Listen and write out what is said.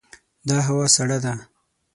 دا هوا سړه ده.